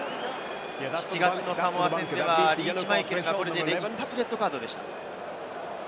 ７月のサモア戦ではリーチ・マイケルがこれで一発でレッドカードでした。